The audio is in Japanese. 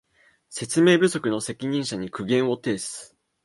説明不足の責任者に苦言を呈す